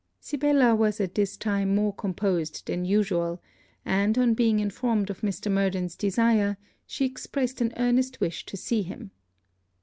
Sibella was at this time more composed than usual; and, on being informed of Mr. Murden's desire, she expressed an earnest wish to see him.